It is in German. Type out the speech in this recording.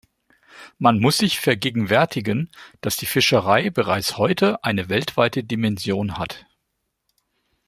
Man muss sich vergegenwärtigen, dass die Fischerei bereits heute eine weltweite Dimension hat.